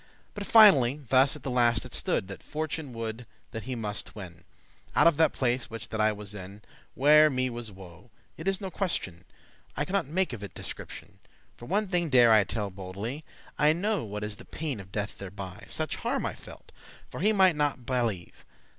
But finally, thus at the last it stood, That fortune woulde that he muste twin* *depart, separate Out of that place which that I was in. Whe'er* me was woe, it is no question; *whether I cannot make of it description. For one thing dare I telle boldely, I know what is the pain of death thereby; Such harm I felt, for he might not byleve.